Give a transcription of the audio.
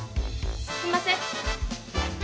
すんません。